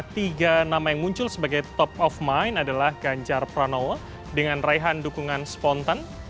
tiga nama yang muncul sebagai top of mind adalah ganjar pranowo dengan raihan dukungan spontan